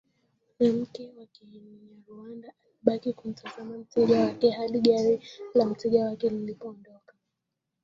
mwanamke wa Kinyarwanda alibaki kumtazama mteja wake hadi gari la mteja wake lilipoondoka